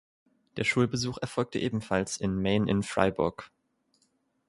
Der Schulbesuch erfolgt ebenfalls in Maine in Fryeburg.